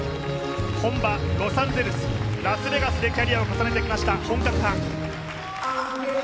本場ロサンゼルス、ラスベガスでキャリアを重ねてきました本格派。